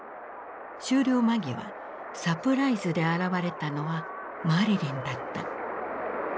終了間際サプライズで現れたのはマリリンだった。